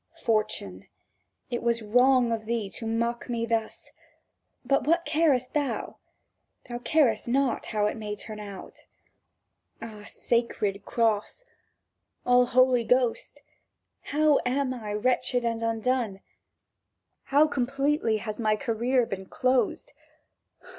Fortune, it was wrong of thee to mock me thus; but what carest thou! Thou carest not how it may turn out. Ah, sacred Cross! All, Holy Ghost! How am I wretched and undone! How completely has my career been closed!